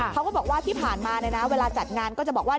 เขาก็บอกว่าที่ผ่านมาเวลาจัดงานก็จะบอกว่า